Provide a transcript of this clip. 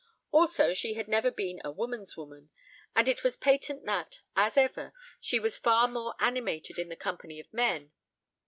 Also, she had never been a "woman's woman," and it was patent that, as ever, she was far more animated in the company of men.